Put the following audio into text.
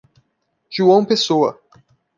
João Pessoa